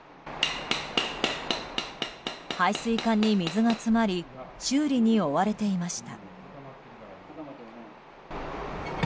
排水管に水が詰まり修理に追われていました。